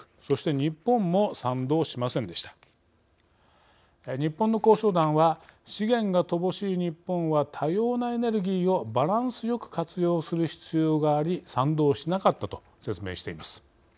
日本の交渉団は「資源が乏しい日本は多様なエネルギーをバランスよく活用する必要があり賛同しなかった」と説明しています。